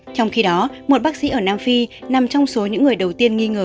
trong khi đó một bác sĩ ở nam phi nằm trong số những người đầu tiên nghi ngờ